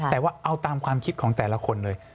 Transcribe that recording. แต่ว่าเอาตามความคิดของแต่ละคนเลย